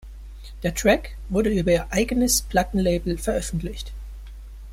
Der Track wurde über ihr eigenes Plattenlabel veröffentlicht.